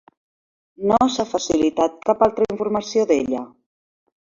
No s'ha facilitat cap altra informació d'ella.